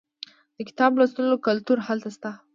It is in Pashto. د کتاب لوستلو کلتور هلته شته.